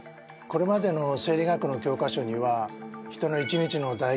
これまでの生理学の教科書には人の１日のだ